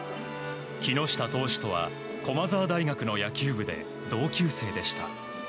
木下投手とは駒澤大学の野球部で同級生でした。